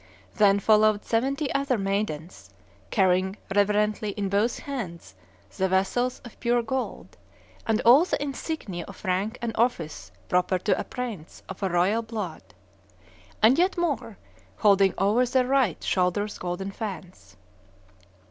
Then followed seventy other maidens, carrying reverently in both hands the vessels of pure gold, and all the insignia of rank and office proper to a prince of the blood royal; and yet more, holding over their right shoulders golden fans.